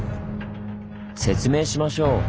説明しましょう。